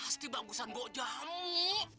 cukup banget mak